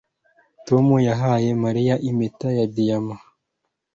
Tom yahaye Mariya impeta ya diyama